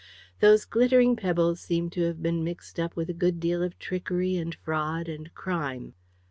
Those glittering pebbles seemed to have been mixed up with a good deal of trickery and fraud and crime.